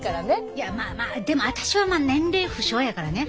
まあまあでも私は年齢不詳やからね。